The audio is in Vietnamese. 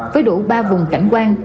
với đủ ba vùng cảnh quan